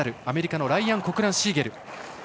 アメリカのライアン・コクランシーゲル。